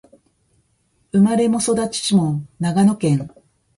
生まれも育ちも長野県